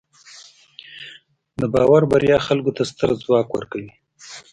د باور بریا خلکو ته ستر ځواک ورکوي.